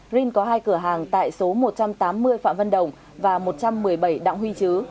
rin có hai cửa hàng tại số một trăm tám mươi phạm vân động và một trăm một mươi bảy đặng huy chứ